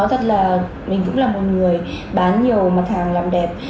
nói thật là mình cũng là một người bán nhiều mặt hàng làm đẹp